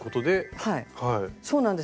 はいそうなんです。